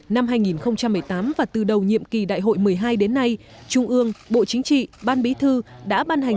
năm hai nghìn một mươi tám và từ đầu nhiệm kỳ đại hội một mươi hai đến nay trung ương bộ chính trị ban bí thư đã ban hành